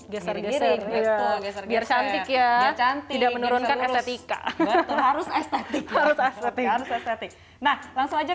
geser geser biar cantik ya cantik tidak menurunkan estetika harus estetik harus estetik nah langsung